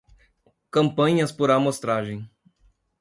Campanhas por amostragem